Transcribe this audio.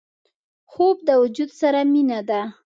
خوب د وجود سره مینه ده